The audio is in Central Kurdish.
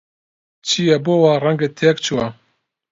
چییە، بۆ وا ڕەنگت تێکچووە؟